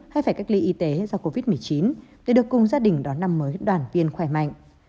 hay phải cách ly y tế do covid một mươi chín để được cùng gia đình đón năm mới đoàn viên khỏe mạnh